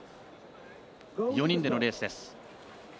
４人でのレースです。